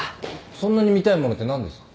そんなに見たいものって何ですか。